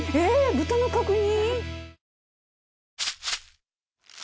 豚の角煮！？